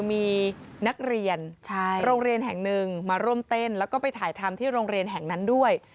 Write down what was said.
มีนักเรียนโรงเรียนแห่งหนึ่งมาร่วมเต้นแล้วก็ไปถ่ายทำที่โรงเรียนแห่งนั้นด้วย